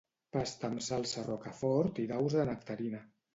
Pasta amb salsa rocafort i daus de nectarina.